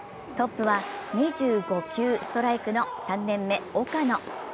トップは２５球ストライクの３年目、岡野。